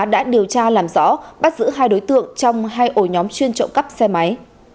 đã điều tra làm rõ bắt giữ hai đối tượng trong hai ổ nhóm chuyên trộm cắp xe máy